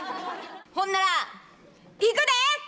ほんならいくで！